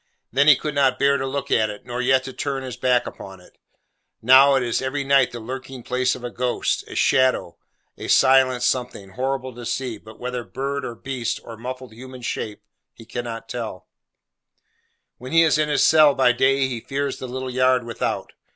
Then he could not bear to look at it, nor yet to turn his back upon it. Now, it is every night the lurking place of a ghost: a shadow:—a silent something, horrible to see, but whether bird, or beast, or muffled human shape, he cannot tell. [Picture: The Solitary Prisoner] When he is in his cell by day, he fears the little yard without.